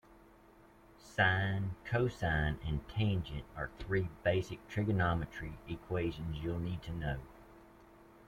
Sine, cosine and tangent are three basic trigonometric equations you'll need to know.